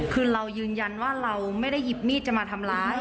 คือเรายืนยันว่าเราไม่ได้หยิบมีดจะมาทำร้าย